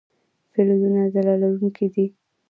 فلزونه ځلا لرونکي دي.